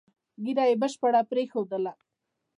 ږیره یې بشپړه پرېښودله.